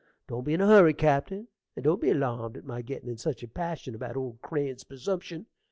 Don't be in a hurry, cappen, and don't be alarmed at my gettin' in such a passion about old Crane's persumption.